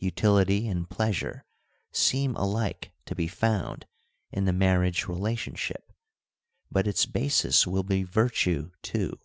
Utility and pleasure seem alike to be found in the marriage relationship, but its basis will be virtue, too.